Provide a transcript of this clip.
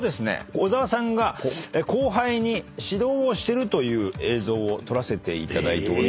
小澤さんが後輩に指導をしてるという映像を撮らせていただいております。